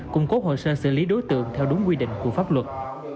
cung cố hồ sơ xử lý đối tượng theo đúng quy định của pháp luật